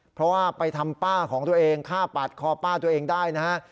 เพราะว่าไปทำป้าของตัวเองฆ่าปาดคอป้าตัวเองได้นะฮะ